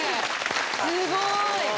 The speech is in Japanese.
すごい！